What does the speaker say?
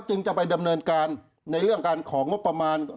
จะไปดำเนินการในเรื่องการของงบประมาณ